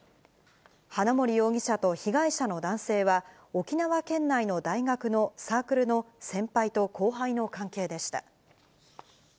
花森容疑者と被害者の男性は、沖縄県内の大学のサークルの先輩と後輩の関係でした。